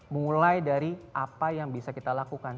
mulai dari apa yang bisa kita lakukan